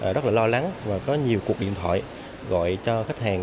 rất là lo lắng và có nhiều cuộc điện thoại gọi cho khách hàng